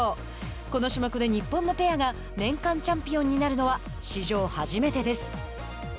この種目で日本のペアが年間チャンピオンになるのは史上初めてです。